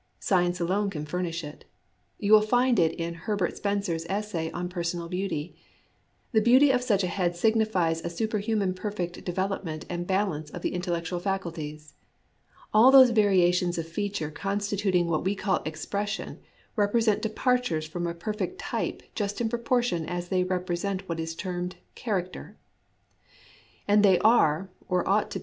Science alone can furnish it. You will find it in Herbert Spencer's essay on Personal Beauty. The beauty of such a head signifies a superhu manly perfect development and balance of the intellectual faculties. All those variations of feature constituting what we call " expression " represent departures from a perfect type just in proportion as they represent what is termed " character ;"— and they are, or ought to be.